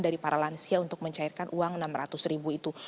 dari lansia untuk mencairkan uang rp enam ratus itu